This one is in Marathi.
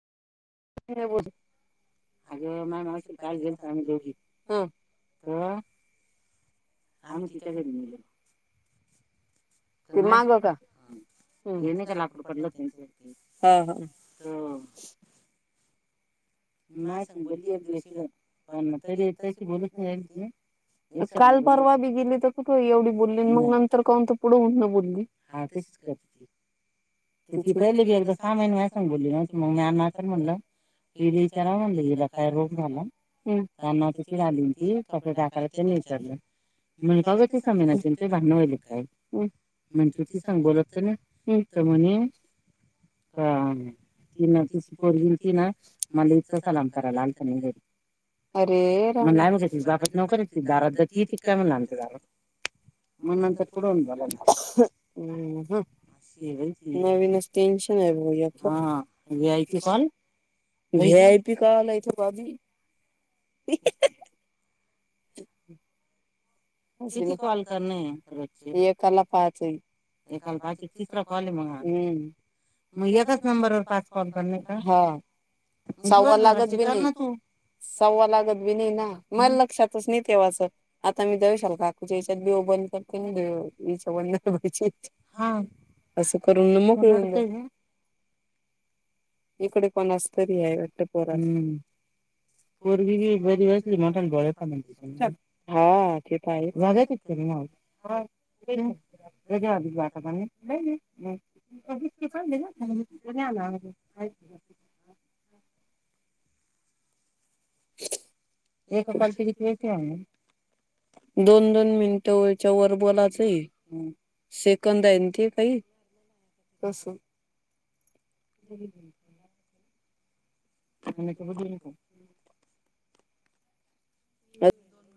ह बोल. अगं मघाशी काल गेली दोघी. हा मी तिथ करीने गेलो. त्यामु हा. ते नाही का लाकूड पडलं त्यांच्यासाठी त. माझ सांग बोलली एक दिवशी पण तरीेतशी बोलूच नाही राहिल ती. एक स बोल गेले तर कुठं एवढी बोललींत पुढ बोल. हां तशीच करते ती. तर ती पहिली बी एकदा सामान म सांग बोलली नव्हती मग मी अना तर म्हणलं पि. रा म्ह गेला काय रोग झाला त्यांना ति झाली तस टाकायच नाही तर. मग ते एका समना ते चांगलेच म्हणून ती संग बोलत ना. तर मी, अ ती पोरगी होती ना मलित. सलाम करा लालपणी. अरे लाय मग कशी बापत नवकरच त दारात कि तिकाय म्ह आणते दारात. मग नंतर [unintelligible] नवीन अस टेन्शन आहेय की ण. काय ग? काल इथे बाधी. कॉल कर ना एकला पाच आहे. एकाल बाकी तिसरा कॉल हाय म हां. मग एकाच नंबरवर पाच कॉल करणे का? हां साहावा लागत बी नाई. साव्वा लागत बी नई ना मला लक्षातच नई तेव्हाचं आता मी दे काकूच्या येच्यात बी बंद करते मी [unintelligible] असं करून म मोकळ होवून जा इकडे कोणास तरी आहे वाट्ट पोरं हम्म. पोरगी बी बरी असली मोठ्यांन डोळे [unintelligible] हां ते त हाये च जागा केली का नावावर? हां. [unintelligible] [unintelligible] एका कॉलचे कीती [unintelligible] दोन दोन मिनिंट वरच्या वर बोलाचय हम्म. [unintelligible] असं. [unintelligible] [unintelligible] अजून दोन